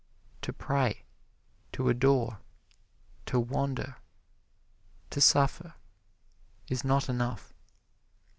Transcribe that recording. To pray, to adore, to wander, to suffer, is not enough.